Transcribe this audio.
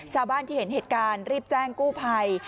ชาวบ้านที่เห็นเหตุการณ์รีบแจ้งกู้ภัย